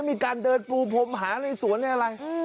มีการเดินปูพรมหาในสวนในอะไร